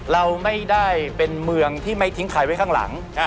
เราไม่ได้เป็นเมืองที่ไม่ทิ้งใครไว้ข้างหลัง